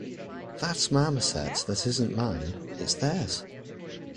That marmoset that isn't mine; it's theirs!